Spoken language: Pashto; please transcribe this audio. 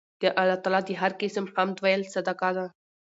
د الله تعالی هر قِسم حمد ويل صدقه ده